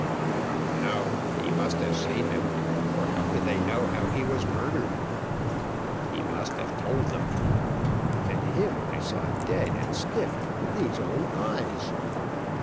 But no he must have seen him, or how could they know how he was murdered. He must have told them; and him I saw dead and stiff, with these own eyes.